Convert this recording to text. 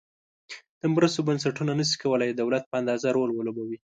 د مرستو بنسټونه نشي کولای د دولت په اندازه رول ولوبوي.